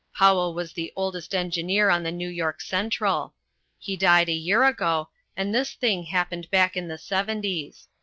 Powell was the oldest engineer on the New York Central. He died a year ago, and this thing happened back in the seventies.